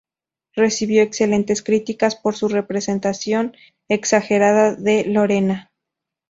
Recibió excelentes críticas por su representación "exagerada" de Lorena.